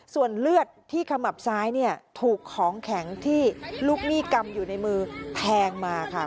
ส่วนเลือดที่ขมับซ้ายเนี่ยถูกของแข็งที่ลูกหนี้กำอยู่ในมือแทงมาค่ะ